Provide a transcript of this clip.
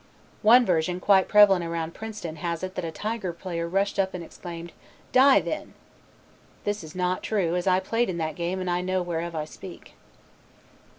One version quite prevalent around Princeton has it that a Tiger player rushed up and exclaimed, "Die then." This is not true as I played in that game and know whereof I speak.